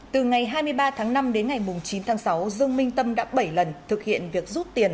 từ ngày hai mươi ba tháng năm đến ngày chín tháng sáu dương minh tâm đã bảy lần thực hiện việc rút tiền